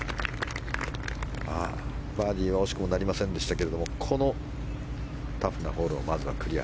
バーディーは惜しくもなりませんでしたがこのタフなホールをまずはクリア。